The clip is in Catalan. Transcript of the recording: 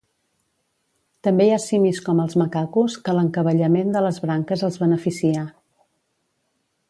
També hi ha simis com els macacos que l'encavallament de les branques els beneficia.